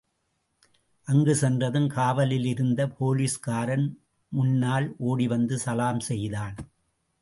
அங்கு சென்றதும் காவலிலிருந்த போலிஸ்காான் முன்னால் ஓடிவந்து சலாம் செய்தான்.